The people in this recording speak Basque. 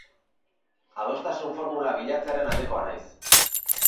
Adostasun formula bilatzearen aldekoa naiz.